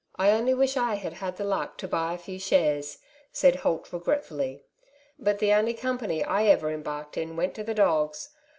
'^ I only wish I had had the luck to buy a few shares/' said Holt regretfully: '^but the only company I ever embarked in went to the doga.